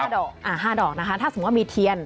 ๕ดอกอ่า๕ดอกนะคะถ้าสมมุติว่ามีเทียน